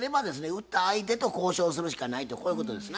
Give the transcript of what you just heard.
売った相手と交渉するしかないとこういうことですな。